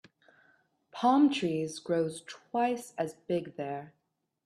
Palm trees grows twice as big there.